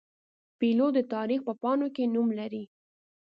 پیلوټ د تاریخ په پاڼو کې نوم لري.